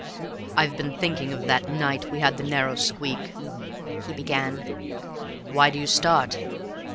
"I've been thinking of that night we had the narrow squeak," he began. "Why do you start?"